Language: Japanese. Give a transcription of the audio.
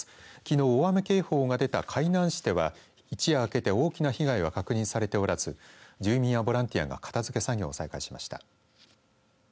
きのう大雨警報が出た海南市では一夜明けて、大きな被害は確認されておらず住民やボランティアが片づけ作業を再開しました。